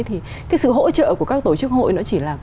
thì cái sự hỗ trợ của các tổ chức hội nó chỉ là